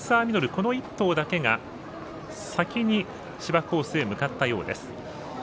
この一頭だけが、先に芝コースへ向かったようです。